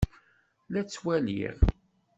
La t-ttwaliɣ.